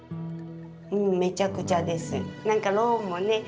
めちゃくちゃです。